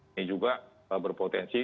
ini juga berpotensi